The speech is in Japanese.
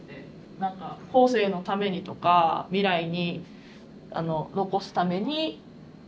何か「後世のために」とか未来にあの残すために。